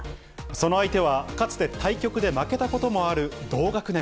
その相手は、かつて対局で負けたこともある同学年。